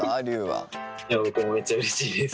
いや僕もめっちゃうれしいです。